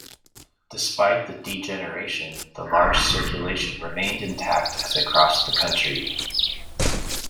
Despite the degeneration, the large circulation remained intact as it crossed the country.